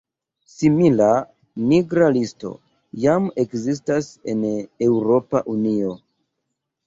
Simila "nigra listo" jam ekzistas en Eŭropa Unio.